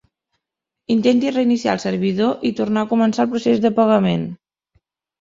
Intenti reiniciar el servidor i tornar a començar el procés de pagament.